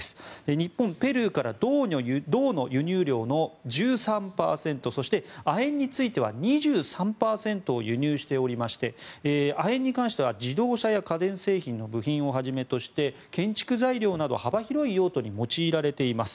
日本、ペルーから銅の輸入量の１３％そして、亜鉛については２３％を輸入しておりまして亜鉛に関しては自動車や家電製品の部品をはじめとして建築材料など幅広い用途に用いられています。